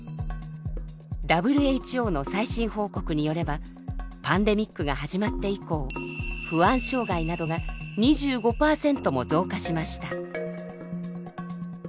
ＷＨＯの最新報告によればパンデミックが始まって以降不安障害などが２５％も増加しました。